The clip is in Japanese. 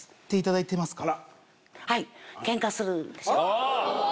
はい。